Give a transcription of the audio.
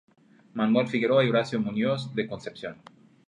Manuel Figueroa y Horacio Muñoz de Concepción.